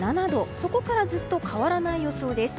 そこからずっと変わらない予想です。